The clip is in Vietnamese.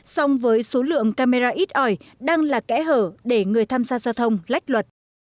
song với số lượng camera ít ỏi đang là kẽ hở để người tham gia giao thông lách luật